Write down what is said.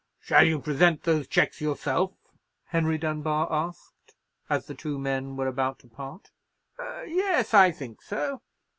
"Shall you present those cheques yourself?" Henry Dunbar asked, as the two men were about to part. "Yes, I think so."